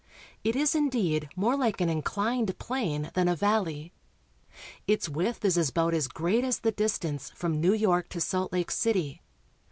It is indeed more like an inclined plane than a valley. Its width is about as great as the distance from New York to Salt Lake City.